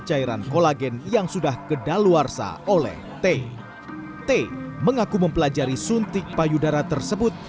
cairan kolagen yang sudah kedaluarsa oleh t mengaku mempelajari suntik payudara tersebut